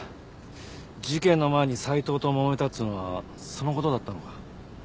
事件の前に斎藤ともめたっつうのはその事だったのか？